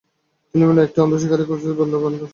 তিনি বললেন, একটি অন্ধ শিকারী খুঁজতে অন্ধ শিকারী?